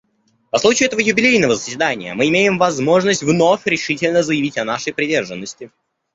По случаю этого юбилейного заседания мы имеем возможность вновь решительно заявить о нашей приверженности.